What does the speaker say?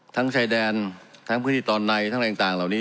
ชายแดนทั้งพื้นที่ตอนในทั้งอะไรต่างเหล่านี้